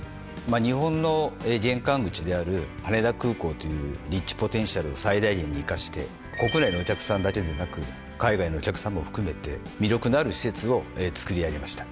日本の玄関口である羽田空港という立地ポテンシャルを最大限に生かして国内のお客さんだけでなく海外のお客さんも含めて魅力のある施設をつくり上げました。